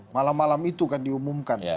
malam malam itu kan diumumkan